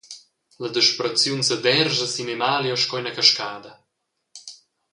La desperaziun sederscha sin Emalio sco ina cascada.